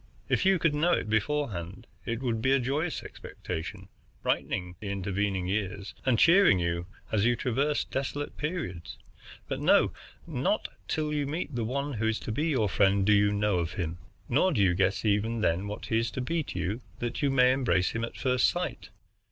If you could know it beforehand, it would be a joyous expectation, brightening the intervening years and cheering you as you traversed desolate periods. But no; not till you meet the one who is to be your friend do you know of him. Nor do you guess even then what he is to be to you, that you may embrace him at first sight.